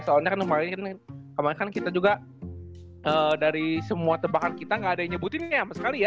soalnya kan kemarin kita juga dari semua tebakan kita gak ada yang nyebutinnya sama sekali ya